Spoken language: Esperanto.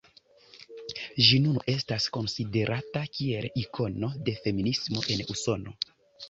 Ĝi nun estas konsiderata kiel ikono de feminismo en Usono.